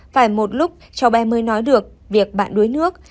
phải một lúc cháu bé mới nói được việc bạn đuối nước